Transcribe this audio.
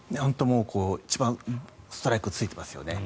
一番ストライクを突いてますよね。